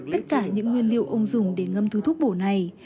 tất cả những nguyên liệu ông dùng để ngâm thứ thuốc bổ này